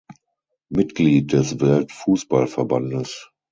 Mitglied des Weltfußballverbandes.